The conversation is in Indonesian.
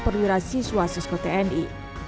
perwira siswa sesuai tni